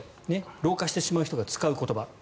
老化してしまう人が使う言葉。